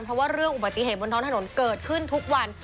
เพราะว่าเรื่องอุบัติเหตุบนท้องถนนเกิดขึ้นทุกวัน